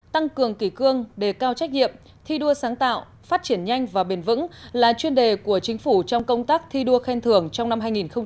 tăng cường kỷ cương đề cao trách nhiệm thi đua sáng tạo phát triển nhanh và bền vững là chuyên đề của chính phủ trong công tác thi đua khen thưởng trong năm hai nghìn một mươi chín